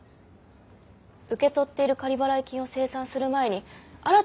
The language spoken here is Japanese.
受け取っている仮払い金を精算する前に新たな仮払いを申請する。